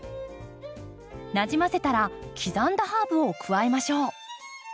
なじませたら刻んだハーブを加えましょう。